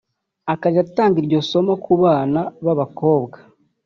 akajya atanga iryo somo ku bana b’abakobwa